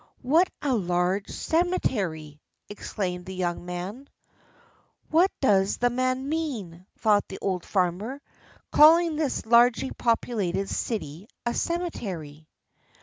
"What a large cemetery!" exclaimed the young man. "What does the man mean," thought the old farmer, "calling this largely populated city a cemetery?"